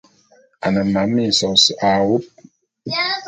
A ne mam minsōs a wub.